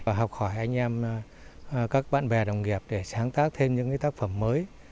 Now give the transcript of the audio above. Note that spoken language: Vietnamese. và học hỏi anh em các bạn bè đồng nghiệp để sáng tác thêm những tác phẩm mới